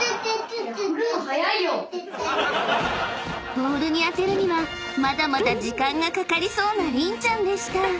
［ボールに当てるにはまだまだ時間がかかりそうなりんちゃんでした］